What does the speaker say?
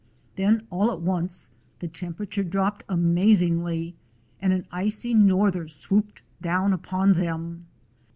Then all at once the temperature dropped amaz ingly, and an icy norther swooped down upon them.